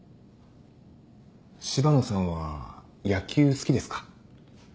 柴野さんは野球好きですか？